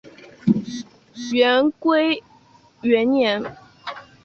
元龟元年。